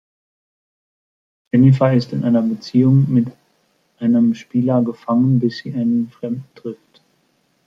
Jennifer ist in einer Beziehung mit einem Spieler gefangen bis sie einen Fremden trifft.